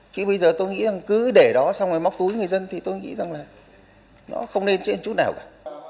chứ bây giờ tôi nghĩ rằng cứ để đó xong rồi móc túi người dân thì tôi nghĩ rằng là nó không nên trên chút nào cả